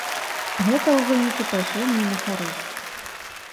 Гэта ў выніку пайшло мне на карысць.